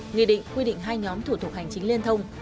nghị định quy định hai nhóm thủ tục hành chính liên thông